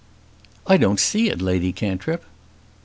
"I don't see it, Lady Cantrip."